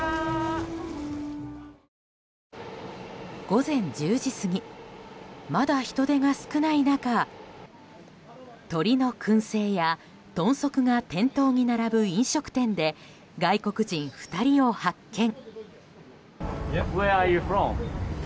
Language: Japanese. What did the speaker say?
午前１０時過ぎまだ人出が少ない中鶏の燻製や豚足が店頭に並ぶ飲食店で外国人２人を発見。